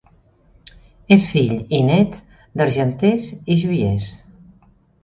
És fill i nét d'argenters i joiers.